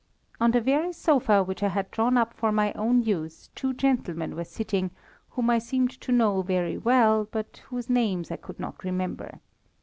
On the very sofa which I had drawn up for my own use two gentlemen were sitting whom I seemed to know very well, but whose names I could not remember.